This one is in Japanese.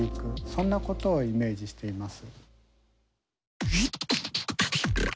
そんなことをイメージしています。